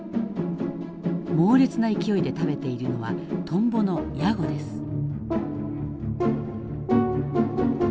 猛烈な勢いで食べているのはトンボのヤゴです。